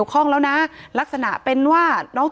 ถ้าใครอยากรู้ว่าลุงพลมีโปรแกรมทำอะไรที่ไหนยังไง